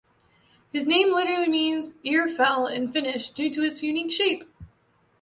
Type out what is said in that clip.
Its name literally means "Ear Fell" in Finnish due to its unique shape.